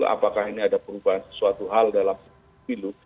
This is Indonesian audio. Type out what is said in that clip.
apakah ini ada perubahan sesuatu hal dalam pilu